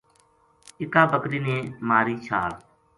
اِکا بکری نے ماری چھال